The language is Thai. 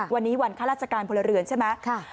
วันนี้วันข้าราชการพลเรือนใช่ไหม